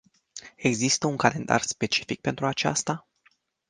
Există un calendar specific pentru aceasta?